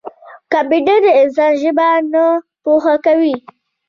کمپیوټر د انسان ژبه نه پوهېږي.